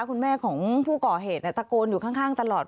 คุณแม่ของผู้ก่อเหตุตะโกนอยู่ข้างตลอด